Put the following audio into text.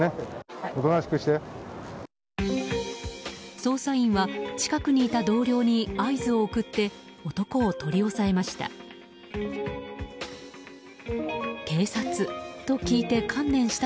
捜査員は近くにいた同僚に合図を送って男を取り押さえました。